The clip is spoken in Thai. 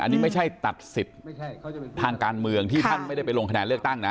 อันนี้ไม่ใช่ตัดสิทธิ์ทางการเมืองที่ท่านไม่ได้ไปลงคะแนนเลือกตั้งนะ